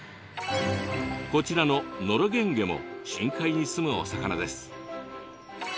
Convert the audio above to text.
こちらのノロゲンゲも深海にすむお魚です。